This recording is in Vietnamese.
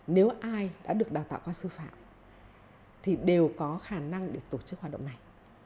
nếu ai đã được đào tạo qua sư phạm thì đều có khả năng để tổ chức hoạt động này